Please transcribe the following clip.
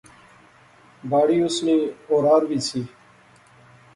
باڑی اس نی اورار وی سی